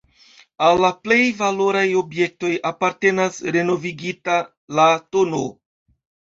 Al la plej valoraj objektoj apartenas renovigita, la tn.